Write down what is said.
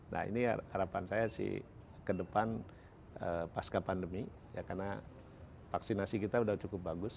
nah ini harapan saya sih ke depan pasca pandemi ya karena vaksinasi kita sudah cukup bagus